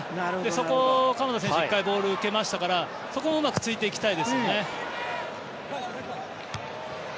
そこを鎌田選手１回ボールを受けましたからそこをうまく突いていきたいですよね。